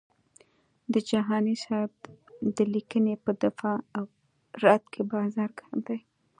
د جهاني صاحب د لیکنې په دفاع او رد کې بازار ګرم دی.